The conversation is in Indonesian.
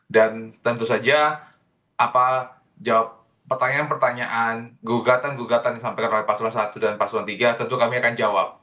dan tentu saja apa jawab pertanyaan pertanyaan gugatan gugatan yang disampaikan oleh pasulun satu dan pasulun tiga tentu kami akan jawab